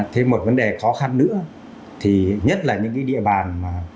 thêm một vấn đề khó khăn nữa thì nhất là những cái địa bàn mà